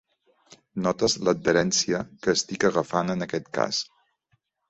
Notes l'adherència que estic agafant en aquest cas.